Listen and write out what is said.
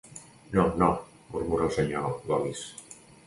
No, no —murmura el senyor Gomis—.